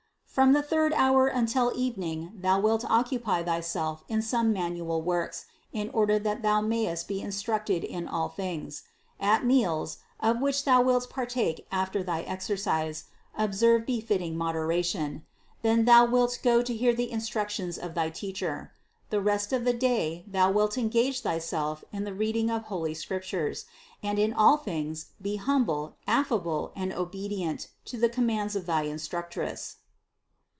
From the third hour until evening thou wilt occupy thyself in some manual works, in order that thou mayest be instructed in all things. At meals, of which thou wilt partake after thy exercise, observe be fitting moderation. Then thou wilt go to hear the instruc tions of thy teacher; the rest of the day thou wilt en gage thyself in the reading of holy Scriptures, and in all things be humble, affable, and obedient to the commands of thy instructress."